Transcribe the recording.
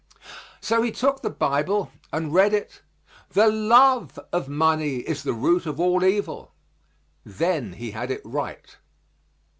So he took the Bible and read it: "The love of money is the root of all evil." Then he had it right.